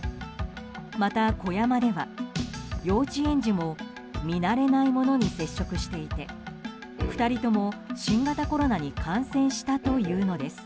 また、小山では幼稚園児も見慣れないものに接触していて２人とも新型コロナに感染したというのです。